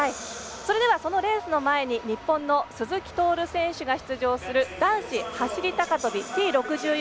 それでは、そのレースの前に日本の鈴木徹選手が出場する男子走り高跳びＴ６４